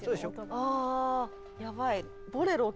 あやばい